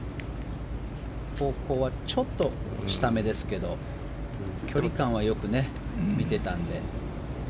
ここはちょっと下めですけど距離感はよく見てたので。